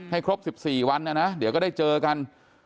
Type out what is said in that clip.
ให้ครบ๑๔วันเดี๋ยวก็ได้เจอกัน